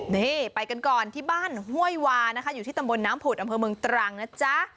นี่ไปกันก่อนที่บ้านห้วยวานะคะอยู่ที่ตำบลน้ำผุดอำเภอเมืองตรังนะจ๊ะ